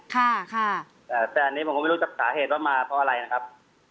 แต่อันนี้ผมก็ไม่รู้จากสาเหตุว่ามาเพราะอะไรนะครับ